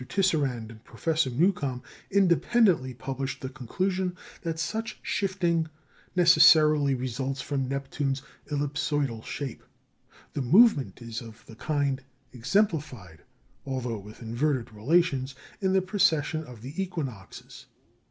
Tisserand and Professor Newcomb independently published the conclusion that such shifting necessarily results from Neptune's ellipsoidal shape. The movement is of the kind exemplified although with inverted relations in the precession of the equinoxes.